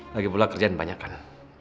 lagi pula kerjaan diperbanyak kan